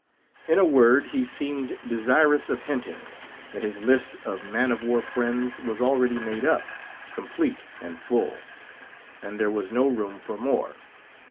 In a word, he seemed desirous of hinting, that his list of man of war friends was already made up, complete, and full; and there was no room for more.